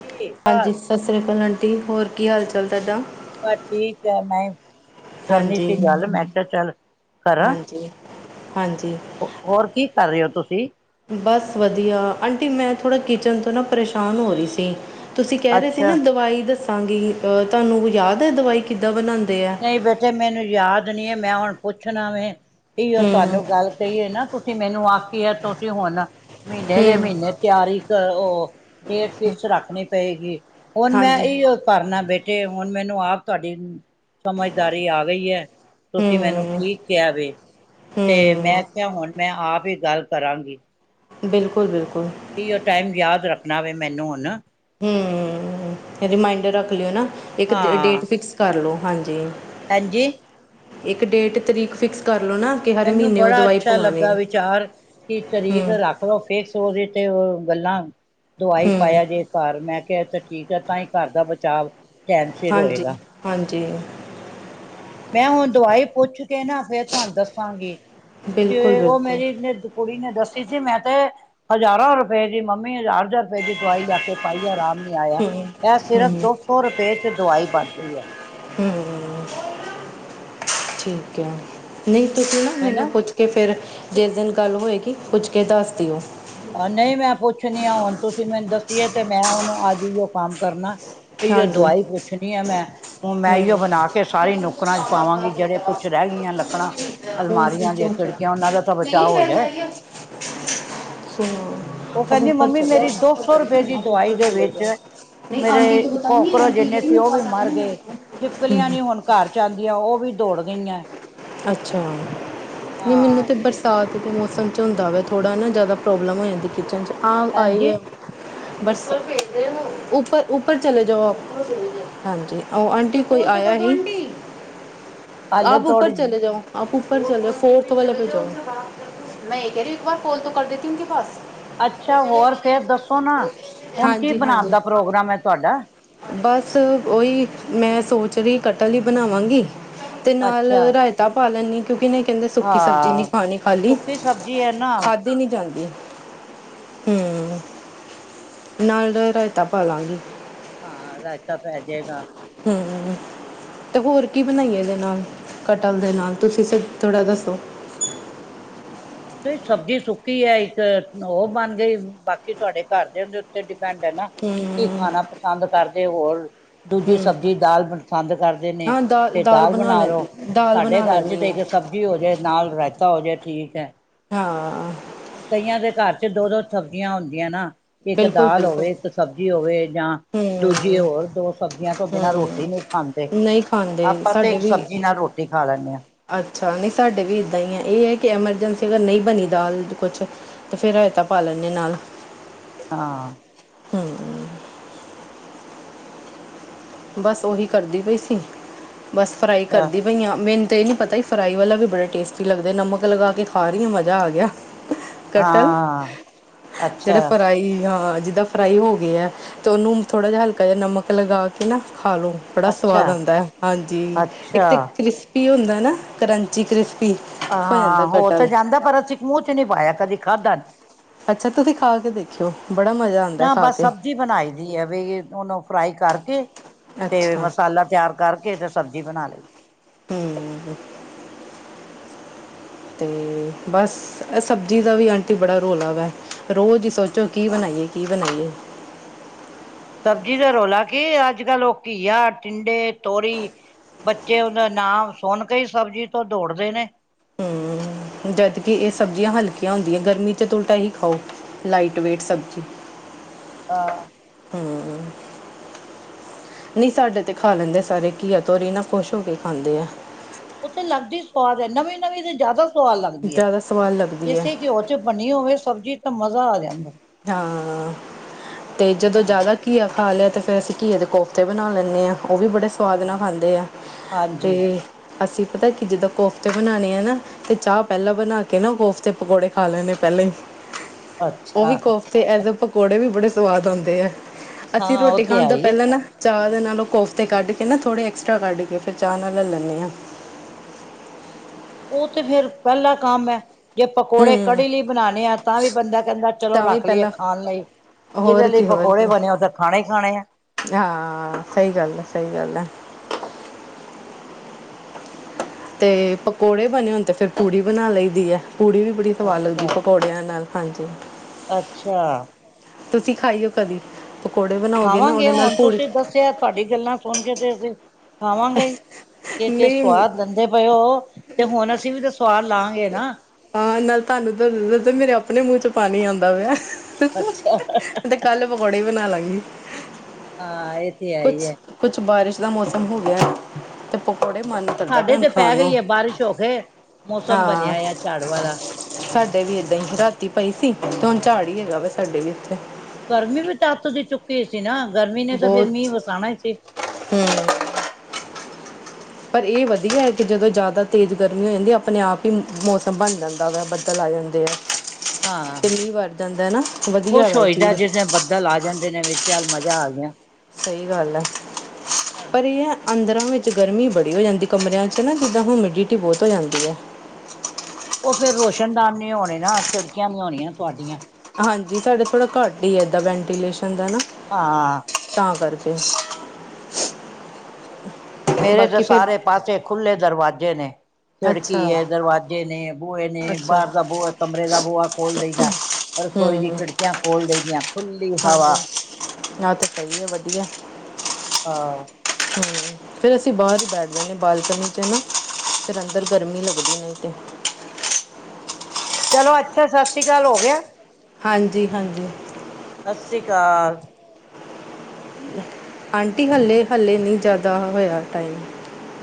ਕੀ ਹਾਂਜੀ ਹਾਲ ਸਤਿ ਸ੍ਰੀ [unintelligible] ਤੇ ਹੋਰ ਕੀ ਹਾਲ ਚਾਲ ਤੁਹਾਡਾ ਬਸ ਠੀਕ ਆ ਮੈਂ ਕਰਨੀ ਹਾਂਜੀ ਸੀ ਗੱਲ ਮੈਂ ਕਿਆ ਚੱਲ ਕਰਾਂ, ਹਾਂਜੀ ਹਾਂਜੀ ਹੋਰ ਕੀ ਕਰ ਰੇ ਓ ਤੁਸੀਂ ਬਸ ਵਧੀਆ ਆਂਟੀ ਮੈਂ ਥੋੜ੍ਹਾ ਕਿਚਨ ਤੋਂ ਨਾ ਪਰੇਸ਼ਾਨ ਹੋ ਰੀ ਸੀ ਤੁਸੀਂ ਕੈ ਰੇ ਸੀ ਅੱਛਾ ਨਾ ਦਵਾਈ ਦਾ ਦੱਸਾਂਗੀ ਅਹ ਤੁਹਾਨੂੰ ਯਾਦ ਐ ਦਵਾਈ ਕਿੱ ਨਈ ਬੇਟੇ ਮੈਨੂੰ ਯਾਦ ਨੀ ਐ ਮੈਂ ਹੁਣ ਪੁੱਛਣਾ ਵੇ ਇਓ ਹਮ ਤੁਹਾਨੂੰ ਗੱਲ ਕਹੀਏ ਨਾ ਤੁਸ ਸੀਂ ਮੈਨੂੰ ਆਖੀਏ ਤੁਸੀਂ ਹੁਣ ਮਹੀਨੇ ਦੇ ਹਮ ਮਹੀਨੇ ਤਿਆਰੀ ਕ ਓ ਡੇਟ ਫਿਕਸ ਰੱਖਣੀ ਪਏਗੀ ਹੁਣ ਮੈਂ ਹਾਂਜੀ ਏਈਓ ਕਰਨਾ ਬੇ ਤੇ ਹੁਣ ਮੈਨੂੰ ਆਪ ਤੁਹਾਡੀ ਸਮਝਦਾਰੀ ਆ ਗਈ ਐ ਤੁਸੀਂ ਮੈਨੂੰ ਹਮ ਠੀਕ ਕਿਆ ਵੇ ਤੇ ਹਮ ਮੈਂ ਕਿਆ ਹੁਣ ਮੈਂ ਆਪ ਫਿਰ ਗੱਲ ਕਰਾਂਗੀ ਬਿਲਕੁਲ ਬਿਲਕੁਲ ਇਊ ਟਾਈਮ ਯਾਦ ਰੱਖ ਅਪਣੇ ਵੇ ਮੈਨੂੰ ਹੁਣ ਹੂ ਰਿਮਾਇੰਡਰ ਰੱਖ ਲਿਓ ਨਾ ਇਕ ਡੇਟ ਹਾਂ ਫਿਕਸ ਕਰ ਲਉ ਹਾਂਜੀ ਹਾਂਜੀ ਇੱਕ ਡੇਟ ਤਰੀਕ ਫਿਕਸ ਕਰ ਲਓ ਨਾ ਕਿ ਹਰ ਮੈਨੂੰ ਮਹੀਨੇ ਉਹ ਬੜਾ ਦਵਾਈ ਅੱਛਾ ਪਵਾਉਣੀ ਲੱਗਾ ਵਿਚਾਰ ਇਕ ਤਰੀਕ ਹਮ ਰੱਖ ਦੋ ਫਿਕਸ ਹੋਦੀ ਤੇ ਗੱਲਾ ਦਵਾਈ ਹੂੰ, ਪਾਇਆ ਜੇ ਘਰ ਮੈਂ ਫਿਰ ਤੇ ਠੀਕ ਹੈ। ਤਾਂ ਹੀ ਘਰ ਦਾ ਬਚਾਵ ਟਾਈਮ ਸਿਰ ਹਾਂਜੀ ਹੋਏਗਾ ਹਾਂਜੀ ਐ ਹੁਣ ਦਵਾਈ ਪੁੱਛ ਤੇਨਾ ਫੇਰ ਤੁਹਾਨੂੰ ਦੱਸਾਂਗੀ ਬਿਲਕੁਲ, ਤੇ ਉਹ ਬਿਲਕੁਲ, ਮੇਰੀ ਕੁੜੀ ਨੇ ਦੱਸੀ ਸੀ ਮੈਂ ਤੇ ਹਜ਼ਾਰਾਂ ਰੁਪਏ ਦੀ ਮੰਮੀ ਹਜ਼ਾਰ ਹਜ਼ਾਰ ਰੁਪਏ ਦੀ ਦਵਾਈ ਲਾ ਕੇ ਪਾਈ ਆਰਾਮ ਆਇਆ ਹੂੰ, ਇਹ ਸਿਰਫ ਹੂੰ, ਦੋ ਸੋ ਰੁਪਏ ਚ' ਦਵਾਈ ਬਣਦੀ ਹੈ। ਹ ਠੀਕ ਹੈ। ਨਹੀ ਤੁਸੀ ਨਾ ਮੈਨੂੰ ਹਨਾ ਪੁੱਛ ਕੇ ਫਿਰ ਜਿਸ ਦਿਨ ਗੱਲ ਹੋਏਗੀ ਪੁੱਛ ਕੇ ਦੱਸ ਦਿਓ ਨਹ ਮੈਂ ਪੁੱਛਨੀ ਆ ਹੁਣ ਤੁਸੀ ਮੈਨੂੰ ਦਸੀਏ ਤੇ ਮੈਂ ਉਹਨੂੰ ਅੱਜ ਇਹ ਉਹ ਕੰਮ ਕਰਨਾ ਇਓ ਹਾਂਜੀ, ਦਵਾਈ ਪੁੱਛਨੀ ਹੈ। ਮੈਂ ਹੁਣ ਮੈਂ ਹੂੰ। ਇਓ ਬਣਾ ਕੇ ਸਾਰੀ ਨੁੱਕਰਾਂ ਚ' ਪਾਵਾਂਗੀ ਜਿਹੜੇ ਕੁੱਛ ਰਹਿ ਗਈਆਂ ਲੱਕੜਾਂ ਕੌਣ ਸੀ ਅਲਮਾਰੀਆਂ ਦੀ ਚੌਂਕਾ? ਖਿੜਕੀਆਂ ਉਹਨਾਂ ਦਾ ਤਾਂ ਨਹੀਂ ਬਚਾਅ ਹੋ ਜਾਏ। ਉਹ ਆਪ ਕਹਿੰਦੀ ਉਪਰ ਮੰਮੀ ਚਲੇ ਮੇਰੀ ਦੋ ਸੌ ਰੁਪਏ ਦੀ ਦਵਾਈ ਦੇ ਵਿੱਚ ਨਹ ਮੇਰੇ ਆਂਟੀ ਤੋਂ ਬਤਾਈਏ, ਕੋਕਰੋਚ ਆਂਟੀ ਜਿੰਨੇ ਸੀ ਉਹ ਵੀ ਮਰ ਗਏ ਛਿਪਕਲੀਆਂ ਨੀ ਹੁਣ ਘਰ ਜਾਂਦੀਆਂ ਉਹ ਵੀ ਦੌੜ ਗਈਆਂ ਅੱਛਾ। ਨਹੀ ਮੈਨੂੰ ਹਾਂ ਤਾਂ ਬਰਸਾਤ ਕਿਉਕਿ ਮੋਮਸ ਵਿਚ ਥੋੜ੍ਹਾ ਨਾ ਜ਼ਿਆਦਾ ਪ੍ਰੋਬਲਮ ਹੋ ਜਾਂਦੀ ਕਿਚਨਚ ਹਾਂ ਆਈ ਹਾਂਜੀ ਏ। ਉਪਰ -ਉਪਰ ਚਲੇ ਜਾਓ ਆਪ ਹਾਂਜੀ ਉਹ ਆਂਟੀ ਕੋਈ ਆਇਆ ਹੀ ਹਾਲੇ ਆਪ ਉਪਰ ਥੋੜੀ ਚਲੇ ਜਾਓ ਆਪ [unintelligible] ਅੱਛਾ ਹੋਰ ਫੇਰ ਦੱਸੋ ਨਾ ਹੁਣ ਕੀ ਹਾਂਜੀ ਬਣਾਉਣ -ਹਾਂਜੀ ਦਾ ਪ੍ਰੋਗਰਾਮ ਹੈ ਤੁਹਾਡਾ ਬਸ ਓਹੀ ਮੈਂ ਸੋਚ ਕਟਲ ਹੀ ਬਣਾਵਾਂਗੀ। ਤੇ ਨਾਲ ਅੱਛਾ ਰਾਇਤਾ ਪਾ ਲੈਣੀ। ਕਿਉਂਕਿ ਇਹ ਕਹਿੰਦੇ ਸੁੱਕੀ ਸਬਜ਼ੀ ਨਹੀਂ ਹਾਂ ਖਾਣੀ ਖਾਲੀ, ਸੁੱਕੀ ਸਬਜ਼ੀ ਹੈ ਨਾ ਖਾਧੀ ਨੀ ਜਾਂਦੀ। ਹੂੰ, ਨਾਲ ਰਾਇਤਾ ਪਾ ਲਾਗੀ। ਹਾਂ, ਰਾਇਤਾ ਪੈ ਜਾਏਗਾ। ਤੇ ਹੋਰ ਕੀ ਬਣਾਈਏ ਇਹਦੇ ਨਾਲ, ਕਟਹਲ ਦੇ ਨਾਲ ਤੁਸੀਂ ਥੋੜ੍ਹਾ ਦੱਸੋ। ਨਹੀਂ ਸਬਜ਼ੀ ਸੁੱਕੀ ਐ, ਇੱਕ ਉਹ ਬਣ ਗਈ, ਬਾਕੀ ਤੁਹਾਡੇ ਘਰ ਦਿਆਂ ਉੱਤੇ ਡੀਪੇਂਡ ਏ ਨਾ, ਕੀ ਹੂੰ ਖਾਣਾ ਪਸੰਦ ਕਰ ਤੇ ਹੋਰ ਦੂਜੀ ਹੂੰ ਸਬਜ਼ੀ ਦਾਲ ਪਸੰਦ ਕਰਦੇ ਨੇ ਹਾਂ ਤੇ ਦਾਲ ਬਣਾ ਲੈ ਲਉ, ਦਾਲ ਸਾਡੇ ਬਣਾ ਘਰ ਚ ਲੈਣੀ ਤੇ ਆ ਇੱਕ ਸਬਜ਼ੀ ਹੋ ਜਾਏ, ਨਾਲ ਰਾਇਤਾ ਹੋ ਜਾਏ। ਠੀਕ ਐ। ਹਾਂ ਹੁਣ ਕਈਆਂ ਦੇ ਘਰ ਦੋ ਦੋ ਸਬਜ਼ੀਆਂ ਹੁੰਦੀਆਂ ਨਾ। ਇੱਕ ਬਿਲਕੁਲ ਦਾਲ ਬਿਲਕੁਲ ਹੋਵੇ, ਇੱਕ ਸਬਜ਼ੀ ਹੋਵੇ ਜਾਂ ਦੂਜੀ ਹੂੰ ਹੋਰ ਦੋ ਸਬਜ਼ੀਆਂ ਤੋਂ ਬਿਨਾਂ ਹੂੰ ਰੋਟੀ ਨਹੀਂ ਖਾਂਦੇ, ਨਹੀਂ ਖਾਂਦੇ ਆਪਾਂ ਤੇ ਸਾਡੇ ਇੱਕ ਵੀ ਸਬਜ਼ੀ ਨਾਲ ਰੋਟੀ ਖਾ ਲੈਣੇ ਆ। ਅੱਛਾ ਨਹੀਂ ਸਾਡੇ ਵੀ ਏਦਾਂ ਈ ਆ, ਇਹ ਆ ਕਿ ਐਮਰਜੈਂਸੀ ਅਗਰ ਨਹੀਂ ਬਣੀ ਦਾਲ ਕੁਛ, ਤਾਂ ਫਿਰ ਰਾਇਤਾ ਪਾ ਲੈਂਦੇ ਆ। ਹਾਂ। ਹੂੰ। ਬਸ ਉਹੀ ਕਰਦੀ ਪਈ ਸੀ। ਬਸ ਫਰਾਈ ਅੱਛਾ ਕਰਦੀ ਪਈ ਆ ਤੇ ਇਹ ਨੀ ਪਤਾ ਹੀ ਫਰਾਈ ਵਾਲਾ ਵੀ ਬੜੇ ਟੇਸਟੀ ਲਗਦੇ ਏ, ਨਮਕ ਲਗਾ ਕੇ ਖਾ ਰਹੀ ਆ ਮਜ਼ਾ ਆ ਗਿਆ। ਕਟਲ ਹਾਂ ਅੱਛਾ ਜਿਹੜੇ ਫਰਾਈ, ਹਾਂ। ਜਿੱਦਾਂ ਫਰਾਈ ਹੋ ਗਏ ਐ, ਤੇ ਉਹਨੂੰ ਥੋੜ੍ਹਾ ਜਿਹਾ ਹਲਕਾ ਜਿਹਾ ਨਮਕ ਲਗਾ ਏ ਨਾ। ਖਾ ਲੋ ਬੜਾ ਅੱਛਾ ਸਵਾਦ ਆਉਂਦਾ ਏ, ਹਾਂਜੀ ਇੱਕ ਅੱਛਾ ਤੇ ਕ੍ਰਿਸਪੀ ਹੁੰਦਾ ਰੈਨਾ ਕਰੰਚੀ ਕ੍ਰਿਸਪੀ ਜਾਂਦਾ ਹਾਂ, ਹੋ ਤੇ ਕਟਲ ਜਾਂਦਾ, ਪਰ ਅਸੀਂ ਮੂੰਹ ਚ ਨੀ ਪਾਇਆ ਕਦੀ, ਖਾਧਾ ਨਹੀਂ। ਅੱਛਾ ਤੁਸੀਂ ਖਾ ਕੇ ਦੇਖਿਓ ਬੜਾ ਮਜ਼ਾ ਆਉਂਦਾ ਨਾ ਖਾ ਬਸ ਕੇ ਸਬਜ਼ੀ ਬਣਾਈ ਦੀ ਏ, ਵੀ ਉਹਨੂੰ ਫਰਾਈ ਕਰਕੇ ਤੇ ਅੱਛਾ ਮਸਾਲਾ ਤਿਆਰ ਕਰਕੇ ਤੇ ਸਬਜ਼ੀ ਬਣਾ ਲਈ। ਹੂੰ। ਤੇ ਬਸ ਸਬਜ਼ੀ ਦਾ ਵੀ ਆਂਟੀ ਬੜਾ ਰੋਲਾ ਵੈ, ਰੋਜ਼ ਹੀ ਸੋਚੋ ਕੀ ਬਣਾਈਏ, ਕੀ ਬਣਾਈਏ। ਸਬਜੀ ਦਾ ਰੌਲਾ ਕੀ ਅੱਜ ਕੱਲ੍ਹ ਉਹ ਘੀਆ, ਟਿੰਡੇ, ਤੋਰੀ ਬੱਚੇ ਉਹਦਾ ਨਾਮ ਸੁਣ ਕੇ ਹੀ ਸਬਜ਼ੀ ਤੋਂ ਦੌੜਦੇ ਨੇ। ਹੂੰ, ਜਦ ਕਿ ਇਹ ਸਬਜ਼ੀਆਂ ਹਲਕੀਆਂ ਹੁੰਦੀਆਂ, ਗਰਮੀ ਚ ਉਲਟਾ ਹੀ ਖਾਓ, ਲਾਈਟ ਵੇਟ ਸਬਜ਼ੀ। [unintelligible] ਹੂੰ। ਨਹੀਂ ਸਾਡੇ ਤੇ ਖਾ ਲੈਂਦੇ ਸਾਰੇ ਘੀਆ ਤੋਰੀ, ਨਾ ਖੁਸ਼ ਹੋ ਕੇ ਖਾਂਦੇ ਆ। ਉਹ ਤੇ ਲੱਗਦੀ ਸਵਾਦ ਐ, ਨਵੀਂ ਨਵੀਂ ਤੇ ਜ਼ਿਆਦਾ ਸਵਾਦ ਲੱਗਦੀ ਏ, ਜ਼ਿਆਦਾ ਸਵਾਦ ਲੱਗਦੀ ਹੈ ਇਸੇ ਘਿਓ ਚ ਬਣੀ ਹੋਵੇ ਸਬਜ਼ੀ ਤਾਂ ਮਜ਼ਾ ਆ ਜਾਂਦਾ ਹਾਂ ਤੇ ਜਦੋਂ ਹਾਂ। ਜ਼ਿਆਦਾ ਕੀ ਆ ਖਾ ਲਿਆ ਅਤੇ ਫਿਰ ਅਸੀਂ ਘੀਏ ਦੇ ਕੋਫਤੇ ਬਣਾ ਲੈਂਦੇ ਹਾਂ ਉਹ ਵੀ ਬੜੇ ਸਵਾਦ ਨਾਲ ਹਾਂ, ਖਾਂਦੇ ਆ ਤੇ ਹਾਂਜੀ, ਅਸੀਂ ਪਤਾ ਕਿ ਜਦੋਂ ਕੋਫਤੇ ਬਣਾਉਣੇ ਆ ਨਾ ਤੇ ਚਾਹ ਪਹਿਲਾਂ ਬਣਾ ਕੇ ਨਾ ਕੋਫਤੇ ਪਕੌੜੇ ਖਾ ਲੈਣੇ ਪਹਿਲੇਾਂ ਹੀ ਉਹ ਵੀ ਅੱਛਾ, ਕੋਫਤੇ ਐ ਪਕੌੜੇ ਵੀ ਬੜੇ ਸੂਆਦ ਆਉਂਦੇ ਹੈ ਅਸੀਂ ਹਾਂ ਉਹ ਰੋਟੀ ਤੇ ਖਾਣ ਹੈ ਦਾ ਹੀ ਹੈ। ਪਹਿਲਾਂ ਨਾ ਚਾਹ ਦੇ ਨਾਲੋਂ ਕੋਫਤੇ ਕੱਢ ਕੇ ਨਾ ਥੋੜ੍ਹੇ ਐਕਸਟਰਾ ਕੱਢ ਕੇ ਫਿਰ ਚਾਹ ਨਾਲ ਲੈ ਲੈਂਨੇ ਹਾਂ ਉਹ ਤੇ ਫੇਿਰ ਪਹਿਲਾ ਕੰਮ ਹੈ ਜੇ ਪਕੌੜੇ ਹੂੰ ਕੜੀ ਲਈ ਬਣਾਉਣੇ ਆ ਤਾਂ ਵੀ ਬੰਦਾ ਕਹਿੰਦਾ ਚਲੋ ਤਾਂ ਵੀ ਰੱਖ ਲਈਏ ਪਹਿਲਾਂ ਖਾਣ ਲਈ ਜਿਹਦੇ ਹੋਰ ਲਈ ਕੀ ਹੋਰ ਪਕੌੜੇ ਕੀ ਬਣੇ ਹੋ ਤਾਂ ਖਾਣੇ ਹੀ ਖਾਣੇ ਆ ਹਾਂ ਸਹੀ ਗੱਲ ਹੈ ਸਹੀ ਗੱਲ ਹੈ ਅਤੇ ਪਕੌੜੇ ਬਣੇ ਹੋ ਤੇ ਫਿਰ ਪੂੜੀ ਬਣਾ ਲਈ ਦੀ ਹੈ ਪੂੜੀ ਵੀ ਬੜੀ ਸਵਾਦ ਲੱਗਦੀ ਅੱਛਾ, ਪਕੌੜਿਆਂ ਨਾਲ ਹਾਂਜੀ ਅੱਛਾ ਤੁਸੀਂ ਖਾਈਓ ਕਦੀ ਪਕੌੜੇ ਬਣਾਓਗੇ ਨਾ ਖਾਵਾਂਗੇ ਉਹਦੇ ਨਾਲ ਹੁਣ ਪੂੜੀ ਤੁਸੀਂ ਦੱਸਿਆ ਤੁਹਾਡੀ ਗੱਲਾਂ ਸੁਣ ਕੇ ਤੇ ਅਸੀਂ ਖਾਵਾਂਗੇ ਕਿ ਨਹੀਂ ਸੁਵਾਦ ਦਿੰਦੇ ਪਏ ਉਹ ਤੇ ਹੁਣ ਅਸੀਂ ਵੀ ਤੇ ਸਵਾਦ ਲਾਗੇ ਹਾਂ ਨਾਲ ਤੁਹਾਨੂੰ ਦ ਦ ਮੇਰੇ ਆਪਣੇ ਮੂਹ ਚ ਪਾਣੀ ਆਉਂਦਾ ਵਾ ਅੱਛਾ, ਤੇ ਕੱਲ ਪਕੌੜੇ ਬਣਾ ਲੱ ਗਈ ਹਾਂ ਇਹ ਤੇ ਹੈ ਹੀ ਹੈ। ਕੁਛ- ਕੁਛ ਬਾਰਿਸ਼ ਦਾ ਮੌਸਮ ਹੋ ਗਿਆ ਤੇ ਪਕੌੜੇ ਮਨ ਕਰਦਾ ਪਿਆ ਸਾਡੇ ਹੁਣ ਤੇ ਖਾਣ ਪੈ ਨੂੰ ਗਈ ਹੈ ਬਾਰਿਸ਼ ਹੋ ਕੇ ਮੌਸਮ ਹਾਂ ਬਣਿਆ ਆ ਝਾੜ ਵਾਲਾ ਸਾਡੇ ਵੀ ਏਦਾਂ ਹੀ ਰਾਤੀ ਪਈ ਸੀ ਤੇ ਹਾਂ ਹੁਣ ਚ ਹੀ ਹੈਗਾ ਵਾ ਸਾਡੇ ਵੀ ਇੱਥੇ ਗਮੀ ਵੀ ਤੱਤ ਦੀ ਚੁੱਕੀ ਸੀ ਨਾ ਗਰਮੀ ਨੇ ਤਾਂ ਫੇਿਰ ਮੀਂਹ ਬਹੁਤ ਵਸਾਉਣਾ ਹਮ ਪਰ ਇਹ ਵਧੀਆ ਹੈ ਕਿ ਜਦੋਂ ਜ਼ਿਆਦਾ ਤੇਜ਼ ਗਰਮੀ ਹੋ ਜਾਂਦੀ ਆਪਣੇ ਆਪ ਹੀ ਮੌਸਮ ਬਣ ਜਾਂਦਾ ਵਾ ਬੱਦਲ ਆ ਜਾਂਦੇ ਹਾਂ ਤੇ ਮੀਂਹ ਵਰ ਜਾਂਦਾ ਹੈ ਨਾ ਵਧੀਆ ਖੁਸ਼ ਵਾ ਹੋ ਇਹ ਜਾਂਦਾ ਚੀਜ਼ ਜਿਸ ਦਿਨ ਬੱਦਲ ਆ ਜਾਂਦੇ ਨੇ ਵਿੱਚ ਚੱਲ ਮਜ਼ਾ ਆ [unintelligible] ਸਹੀ ਗੱਲ ਹੈ ਪਰ ਇਹ ਹੈ ਅੰ ਪੰੰਦਰਾਂ ਵਿੱਚ ਗਰਮੀ ਬੜੀ ਹੋ ਜਾਂਦੀ ਕਮਰਿਆਂ ਚ ਨਾ ਜਿੱਦਾਂ ਹਿਮਿਡਿਟੀ ਬਹੁਤ ਹੋ ਜਾਂਦੀ ਹੈ ਉਹ ਫੇਰ ਰੋਸ਼ਨਦਾਨ ਨੀ ਹੋਣੇ ਨਾ ਖਿੜਕੀਆਂ ਨ ਹੋਣੀਆਂ ਤੁਹਾਡੀਆਂ ਹਾਂਜੀ ਸਾਡੇ ਥੋੜ੍ਹਾ ਘੱਟ ਹੀ ਹੈ ਏਦਾਂ ਵੈਂਟੀਲੇਸ਼ਨ ਦਾ ਨਾ ਹਾਂ ਤਾਂ ਕਰਕੇ ਮੇਰੇ ਤਾਂ ਬਾਕੀ ਫਿਰ ਸਾਰੇ ਪਾਸੇ ਖੁੱਲ੍ਹੇ ਦਰਵਾਜ਼ੇ ਜੇ ਨੇ ਖਿੜਕੀ ਅੱਛਾ ਹੈ ਦਰਵਾਜੇ ਨੇ ਬੂਹੇ ਨੇ ਅੱਛਾ ਬਾਹਰ ਦਾ ਬੂਹਾ ਕਮਰੇ ਦਾ ਬੂਹਾ ਖੋਲ ਦੇਈ ਦਾ ਰਸੋਈ ਦੀ ਹੂੰ ਖਿੜਕੀਆਂ ਖੋਲ ਦੇ ਦੀਆਂ ਖੁੱਲੀਆਂ ਹਾਂਜੀ ਆ ਤੇ ਸਹੀ ਆ ਵਧੀਆ ਅਹ ਹਮ ਫਿਰ ਅਸੀਂ ਬਾਹਰ ਹੀ ਬੈਠ ਜਾਂਦੇ ਬਾਲਕਨੀ ਚ ਨਾ ਫਿਰ ਅੰਦਰ ਹਾਂਜੀ ਗਰਮੀ ਲੱਗਦੀ ਨੇ ਤੇ ਚਲੋ ਅੱਛਾ ਸਤਿ ਸ੍ਰੀ ਅਕਾਲ ਹੋ ਗਿਆ ਹਾਂਜੀ ਹਾਂਜੀ ਸਤਿ ਸ੍ਰੀ ਅਕਾਲ ਆਂਟੀ ਹਾਲੇ ਹਾਲੇ ਨਹੀਂ ਜ਼ਿਆਦਾ ਹੋਇਆ ਟਾਈਮ